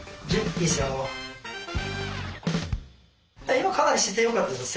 今かなり姿勢よかったですよ。